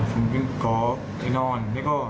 ผมขอไปนอน